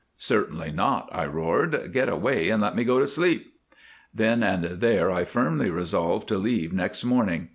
"Certainly not," I roared. "Get away and let me go to sleep." Then and there I firmly resolved to leave next morning.